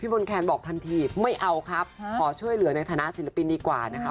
ไม่เอาครับขอช่วยเหลือในฐานะศิลปินดีกว่านะครับ